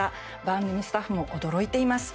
番組スタッフも驚いています。